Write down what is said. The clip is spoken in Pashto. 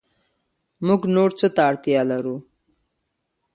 موږ نور څه ته اړتیا لرو